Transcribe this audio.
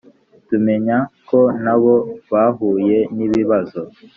tumenya ko na bo bahuye n ibibazo